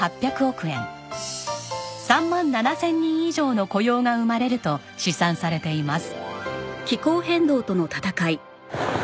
３万７０００人以上の雇用が生まれると試算されています。